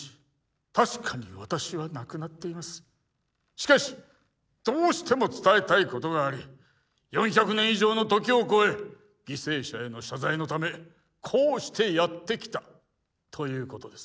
しかしどうしても伝えたいことがあり４００年以上の時を超え犠牲者への謝罪のためこうしてやって来たということです。